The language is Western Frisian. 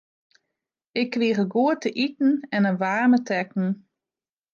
Ik krige goed te iten en in waarme tekken.